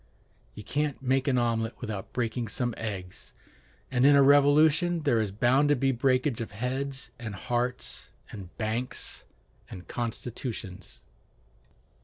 "You can't make an omelet without breaking some eggs," and in a revolution there is bound to be breakage of heads and hearts, and banks and constitutions.